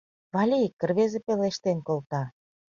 — Валик?! — рвезе пелештен колта.